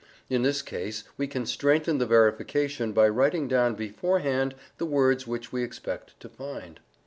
In this case we can strengthen the verification by writing down beforehand the words which we expect to find.